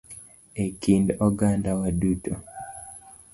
E kind oganda wa duto